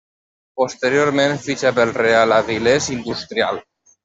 Posteriorment fitxa pel Real Avilés Industrial.